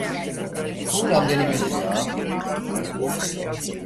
სულ რამდენი მელიაა?